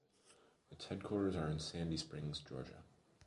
Its headquarters are in Sandy Springs, Georgia.